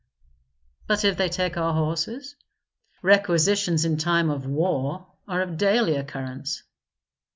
"But if they take our horses? Requisitions in time of war are of daily occurrence."